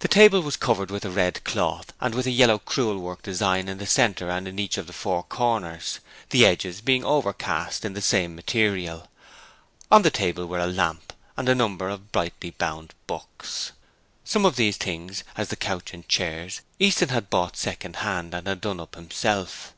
The table was covered with a red cloth with a yellow crewel work design in the centre and in each of the four corners, the edges being overcast in the same material. On the table were a lamp and a number of brightly bound books. Some of these things, as the couch and the chairs, Easton had bought second hand and had done up himself.